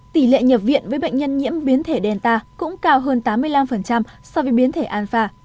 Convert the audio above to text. tỷ lệ nhập viện với bệnh nhân nhiễm biến thể delta cũng cao hơn tám mươi năm so với biến thể anfa